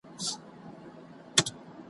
كه مو نه سړېږي زړه په انسانانو ,